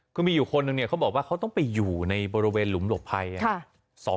คือมีอยู่คนนึงเนี่ยเขาบอกว่าเขาต้องไปอยู่ในบริเวณหลุมหลบภัย